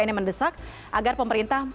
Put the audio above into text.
ini mendesak agar pemerintah